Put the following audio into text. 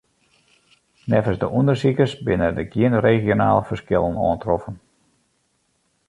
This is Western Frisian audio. Neffens de ûndersikers binne der gjin regionale ferskillen oantroffen.